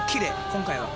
今回は。